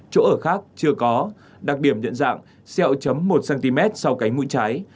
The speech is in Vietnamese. chỗ ở khác chưa có đặc điểm nhận dạng xeo chấm một cm sau cánh mũi trái